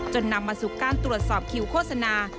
นำมาสู่การตรวจสอบคิวโฆษณา